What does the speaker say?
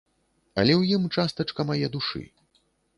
Але ў ім частачка мае душы.